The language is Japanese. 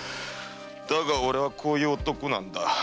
だが俺はこういう男なんだ。